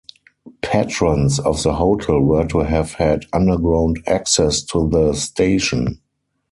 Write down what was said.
Patrons of the hotel were to have had underground access to the station.